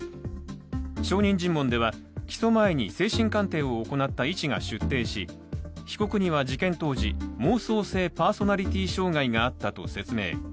証人尋問では起訴前に精神鑑定を行った医師が出廷し被告には事件当時、妄想性パーソナリティー障害があったと説明。